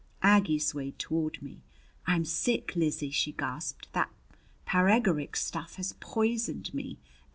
Aggie swayed toward me. "I'm sick, Lizzie!" she gasped. "That paregoric stuff has poisoned me.